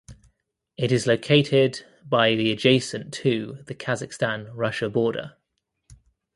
It is located by the adjacent to the Kazakhstan–Russia border.